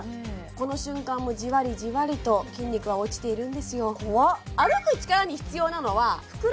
この瞬間もじわりじわりと筋肉は落ちているんですよ怖っ